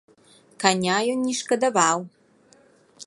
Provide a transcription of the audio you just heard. Каня ён не шкадаваў.